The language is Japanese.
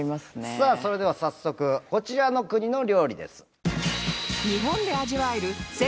さあそれでは早速こちらの国の料理です。